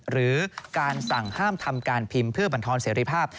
หรือการสั่งห้ามทำการพิมพ์เพื่อบรรทอนเสรีภาพ